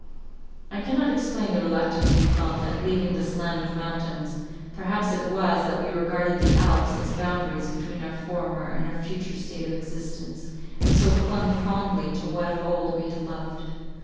I cannot explain the reluctance we felt at leaving this land of mountains; perhaps it was, that we regarded the Alps as boundaries between our former and our future state of existence, and so clung fondly to what of old we had loved.